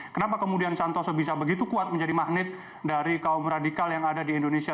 kenapa kemudian santoso bisa begitu kuat menjadi magnet dari kaum radikal yang ada di indonesia